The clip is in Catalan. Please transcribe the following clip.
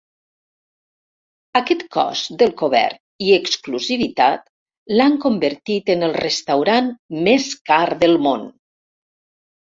Aquest cost del cobert i exclusivitat l'han convertit en el restaurant més car del món.